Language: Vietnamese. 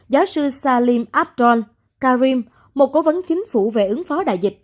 giáo sư salim abdul karim một cố vấn chính phủ về ứng phó đại dịch